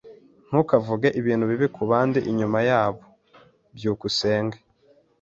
Ntukavuge ibintu bibi kubandi inyuma yabo. byukusenge